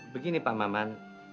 begini pak maman